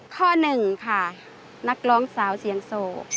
ข้อหนึ่งค่ะนักร้องสาวเสียงโสด